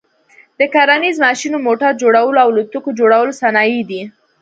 د کرنیز ماشینو، موټر جوړلو او الوتکي جوړلو صنایع دي.